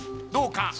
どうか？